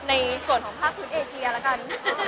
ในส่วนของภาคพื้นเอเชียแล้วกัน